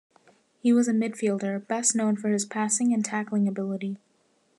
He was a midfielder best known for his passing and tackling ability.